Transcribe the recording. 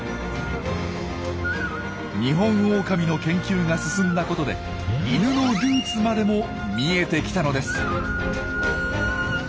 ニホンオオカミの研究が進んだことでイヌのルーツまでも見えてきたのです。